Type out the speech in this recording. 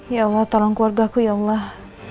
ya allah tolong keluarga aku ya allah